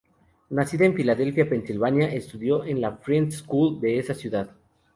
Nacida en Filadelfia, Pensilvania, estudió en la "Friends School" de esa ciudad.